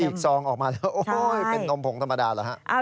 ซองออกมาแล้วโอ้ยเป็นนมผงธรรมดาเหรอฮะ